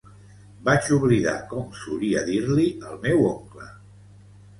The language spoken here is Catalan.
Vaig oblidar com solia dir-li el meu oncle.